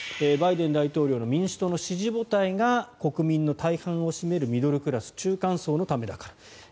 バイデン大統領の民主党の支持母体が国民の大半を占めるミドルクラス中間層のためだから。